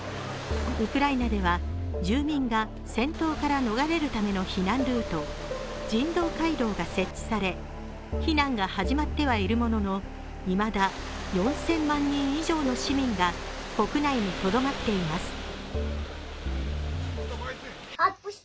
ウクライナでは住民が戦闘から逃れるための避難ルート、人道回廊が設置され避難が始まってはいるもののいまだ、４０００万人以上の市民が国内にとどまっています。